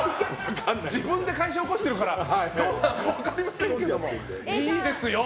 自分で会社を起こしているからどうなるか分かりませんけども。